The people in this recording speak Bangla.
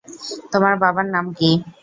তোমার বাবার নাম কী?